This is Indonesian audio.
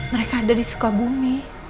mereka ada di sekabumi